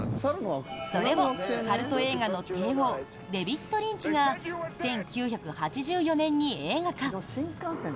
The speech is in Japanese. それをカルト映画の帝王デヴィット・リンチが１９８４年に映画化。